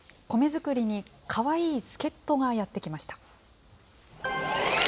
米作りにかわいい助っとがやって来ました。